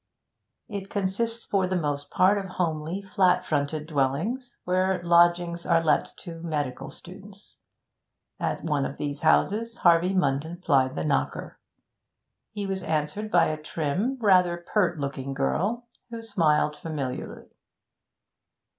It consists for the most part of homely, flat fronted dwellings, where lodgings are let to medical students. At one of these houses Harvey Munden plied the knocker. He was answered by a trim, rather pert looking girl, who smiled familiarly.